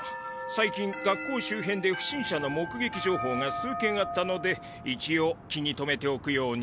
最近学校周辺で不審者の目撃情報が数件あったので一応気に留めておくように。